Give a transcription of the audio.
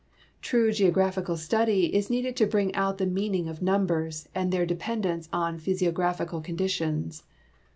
True geographical study is needed to bring out the meaning of numbers and their depend ence on physiographical conditions.